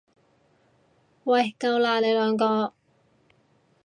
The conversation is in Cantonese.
喂夠喇，你兩個！